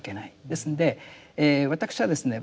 ですんで私はですね